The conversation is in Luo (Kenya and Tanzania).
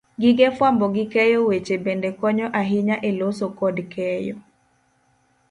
Gige fwambo gi keyo weche bende konyo ahinya e loso kod keyo